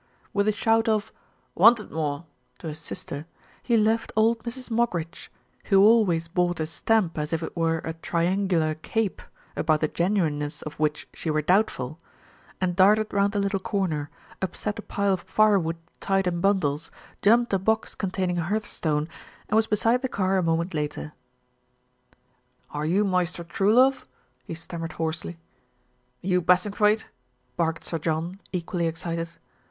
With a shout of "Wanted, mor," to his sister, he left old Mrs. Moggridge, who always bought a stamp as if it were a "Triangular Cape," about the genuineness of which she were doubtful, and darted round the little counter, upset a pile of firewood tied in bundles, jumped a box containing hearthstone, and was beside the car a moment later. THE UNMASKING OF SMITH 321 "Are you Maister Truelove?" he stammered hoarsely. "You Bassingthwaighte?" barked Sir John, equally excited.